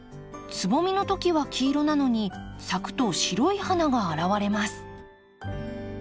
つぼみの時は黄色なのに咲くと白い花が現れます。